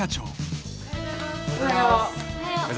おはよう。